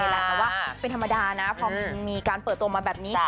แต่ว่าเป็นธรรมดานะพอมันมีการเปิดตัวมาแบบนี้